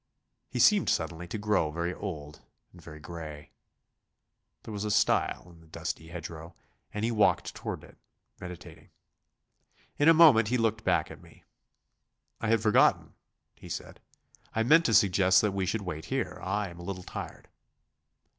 He seemed suddenly to grow very old and very gray. There was a stile in the dusty hedge row, and he walked toward it, meditating. In a moment he looked back at me. "I had forgotten," he said; "I meant to suggest that we should wait here I am a little tired."